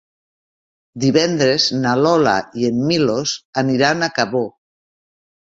Divendres na Lola i en Milos aniran a Cabó.